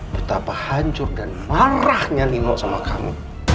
betapa hancur dan marahnya nino sama kamu